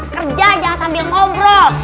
kerja jangan sambil ngobrol